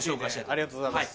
ありがとうございます。